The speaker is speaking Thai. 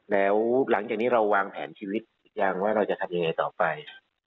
แล้วหลังจากนี้เราวางแผนชีวิตหรือยังว่าเราจะทำยังไงต่อไป